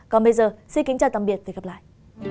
còn bây giờ xin kính chào tạm biệt và hẹn gặp lại